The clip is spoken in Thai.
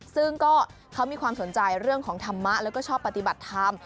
ซึ่งก็เขามีความสนใจเรื่องของธรรมะแล้วก็ชอบปฏิบัติธรรม